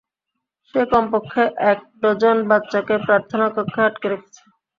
সে কমপক্ষে এক ডজন বাচ্চাকে প্রার্থনা কক্ষে আটকে রেখেছে।